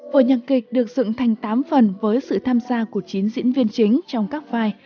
vở nhạc kịch được dựng thành tám phần với sự tham gia của chín diễn viên chính trong các vai